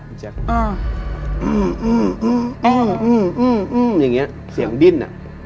อื้มอื้มอื้มอื้มอื้มอื้มอื้มอื้มอื้มอย่างเงี้ยเสียงดิ้นอ่ะ